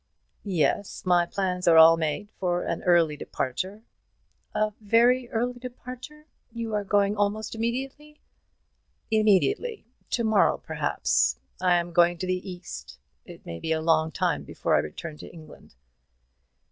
"Yes, my plans are all made for an early departure." "A very early departure? You are going almost immediately?" "Immediately, to morrow, perhaps. I am going to the East. It may be a long time before I return to England."